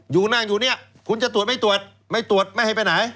อยู่นั่งอยู่เนี่ยคุณจะตรวจไม่ตรวจไม่ตรวจไม่ให้ไปไหน